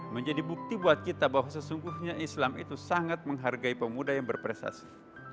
menjadi bukti buat kita bahwa sesungguhnya islam itu sangat menghargai pemuda yang berprestasi